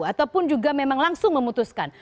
ataupun juga memang langsung memutuskan